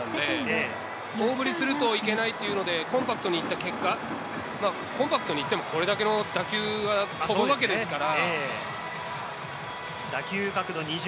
真っすぐが強い投手なんで、大振りするといけないというので、コンパクトにいった結果、コンパクトに行っても、これだけの打球が飛ぶわけですから。